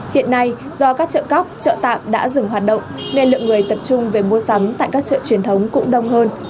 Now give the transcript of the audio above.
hiện nay do các chợ cóc chợ tạm đã dừng hoạt động nên lượng người tập trung về mua sắm tại các chợ truyền thống cũng đông hơn